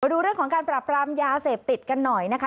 ดูเรื่องของการปราบรามยาเสพติดกันหน่อยนะคะ